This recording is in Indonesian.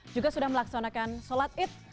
juga sudah melaksanakan sholat id